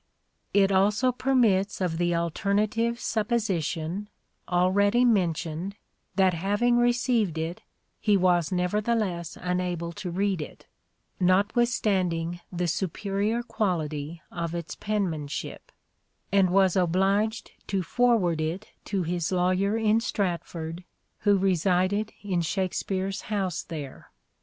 It also permits of the alternative supposition, already mentioned, that having received it he was nevertheless unable to read it (notwith standing the superior quality of its penmanship) and was obliged to forward it to his lawyer in Stratford, who resided in Shakspere's house there.